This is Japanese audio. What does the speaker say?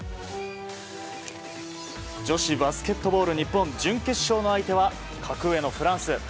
女子バスケットボール日本準決勝の相手は格上のフランス。